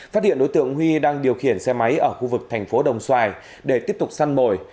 phát hiện đối tượng huy đang điều khiển xe máy ở khu vực thành phố đồng xoài để tiếp tục săn mồi